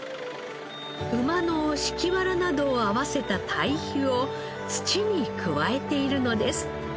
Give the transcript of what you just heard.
馬の敷きワラなどを合わせた堆肥を土に加えているのです。